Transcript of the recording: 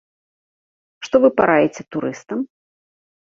Што вы параіце турыстам?